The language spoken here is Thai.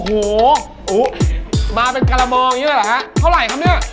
โอ้โหมาเป็นการมองอย่างนี้ได้หรอครับเท่าไหร่ครับเนี่ย